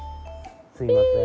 すいません。